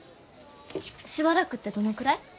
しばらくってどのくらい？